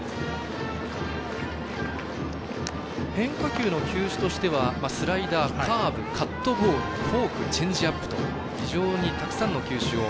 変化球の球種としてはスライダーカーブ、カットボールフォーク、チェンジアップと非常にたくさんの球種を。